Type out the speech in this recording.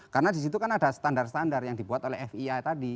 karena disitu kan ada standar standar yang dibuat oleh fia tadi